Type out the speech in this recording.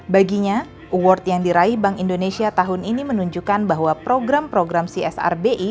baginya award yang diraih bank indonesia tahun ini menunjukkan bahwa program program csrbi